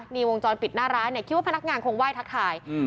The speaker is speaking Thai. นี่วงจรปิดหน้าร้านเนี่ยคิดว่าพนักงานคงไห้ทักทาย